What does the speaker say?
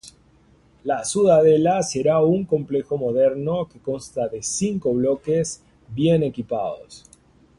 La ciudadela será un complejo moderno que consta de cinco bloques bien equipados.